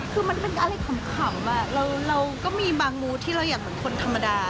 คือมันเป็นอะไรขำเราก็มีบางมูธที่เราอยากเหมือนคนธรรมดา